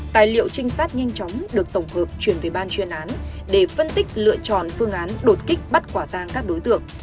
tài liệu trinh sát nhanh chóng được tổng hợp chuyển về ban chuyên án để phân tích lựa chọn phương án đột kích bắt quả tang các đối tượng